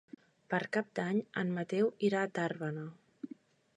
Per Cap d'Any en Mateu irà a Tàrbena.